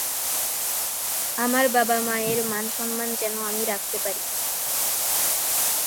এই স্তোত্র অনুযায়ী, তিনি যৌনতার দেবী; রতি তাঁর রূপভেদ।